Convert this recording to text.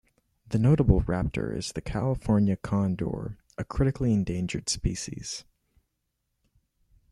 The notable raptor is the California condor, a critically endangered species.